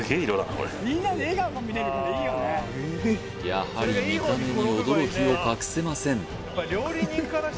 やはり見た目に驚きを隠せません